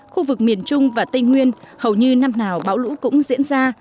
khu vực miền trung và tây nguyên hầu như năm nào bão lũ cũng diễn ra